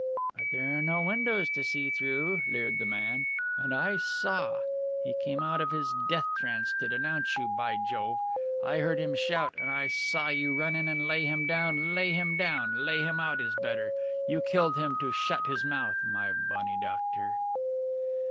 "But there are no windows to see through," leered the man, "and I saw! He came out of his death trance to denounce you, by Jove! I heard him shout and I saw you run in and lay him down lay him down! Lay him out is better! You killed him to shut his mouth, my bonnie doctor!"